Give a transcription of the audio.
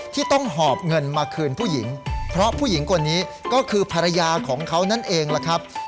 ที่ต้องหอบเงินมาคืนผู้หญิงเพราะผู้หญิงคนนี้ก็คือภรรยาของเขานั่นเองล่ะครับ